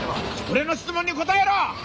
俺の質問に答えろ！